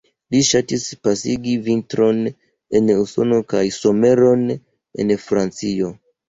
Li ŝatis pasigi vintron en Usono kaj someron en Francio.